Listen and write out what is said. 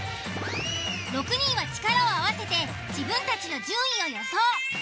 ６人は力を合わせて自分たちの順位を予想。